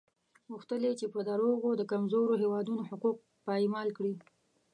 غوښتل یې په دروغو د کمزورو هېوادونو حقوق پایمال کړي.